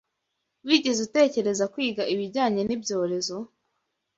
Wigeze utekereza kwiga ibijyanye n’ibyorezo?